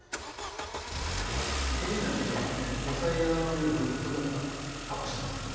もう冬になるとやはり野菜の甘みをぐっとアップしますので。